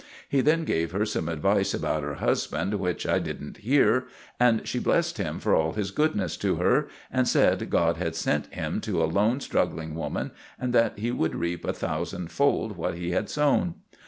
He then gave her some advice about her husband, which I didn't hear, and she blessed him for all his goodness to her, and said God had sent him to a lone, struggling woman, and that he would reap a thousandfold what he had sown.